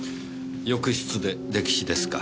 浴室で溺死ですか。